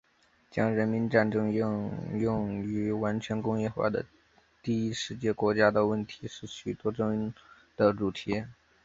将人民战争应用于完全工业化的第一世界国家的问题是许多争论的主题。